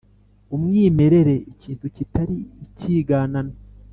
umwimerere: ikintu kitari ikiganano.